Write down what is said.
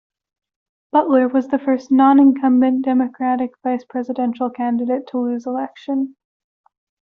Butler was the first non-incumbent Democratic vice presidential candidate to lose election.